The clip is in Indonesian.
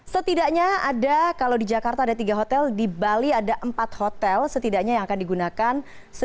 setidaknya ada kalau di jakarta ada tiga hotel di bali ada empat hotel setidaknya yang akan digunakan